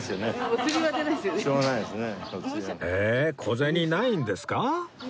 小銭ないんですか？